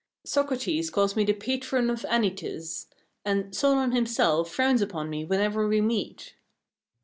Socrates calls me the patron of Anytus, and Solon himself frowns upon me whenever we meet.